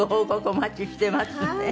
お待ちしてますね。